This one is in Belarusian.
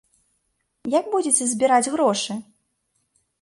Як будзеце збіраць грошы?